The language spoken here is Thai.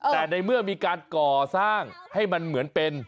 แต่ในเมื่อมีการก่อสร้างให้มันเหมือนเป็น